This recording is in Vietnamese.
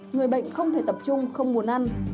người bệnh không thể tập trung không muốn ăn